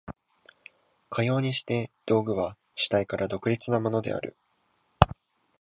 かようにして道具は主体から独立なものである。